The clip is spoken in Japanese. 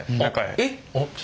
えっ！